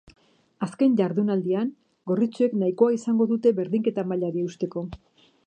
Azken jardunaldian, gorritxoek nahikoa izango dute berdinketa mailari eusteko.